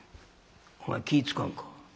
お前気ぃ付かんか？